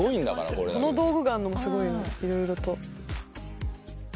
この道具があるのもすごい色々と。